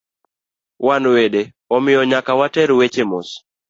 Wan wede, omiyo nyaka water weche mos